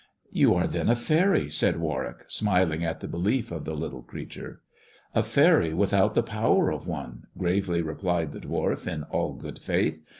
"You are then a faery," said Warwick, smiling at the belief of the little creature. " A faery without the power of one," gravely replied the dwarf in all good faith.